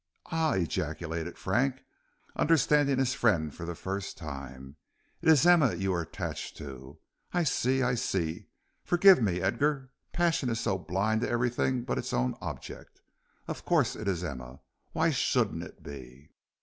"Ah!" ejaculated Frank, understanding his friend for the first time; "it is Emma you are attached to. I see! I see! Forgive me, Edgar; passion is so blind to everything but its own object. Of course it is Emma; why shouldn't it be!"